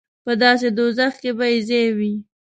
په داسې دوزخ کې به یې ځای وي.